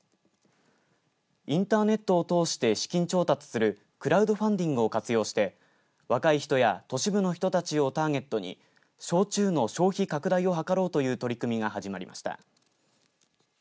インターネットを通して資金調達するクラウドファンディングを活用して若い人や都市部の人たちをターゲットに焼酎の消費拡大を図ろうという取り組みが始まりました。